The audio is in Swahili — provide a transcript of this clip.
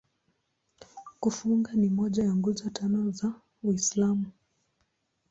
Kufunga ni moja ya Nguzo Tano za Uislamu.